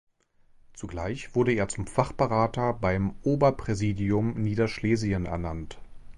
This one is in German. Zugleich wurde er zum Fachberater beim Oberpräsidium Niederschlesien ernannt.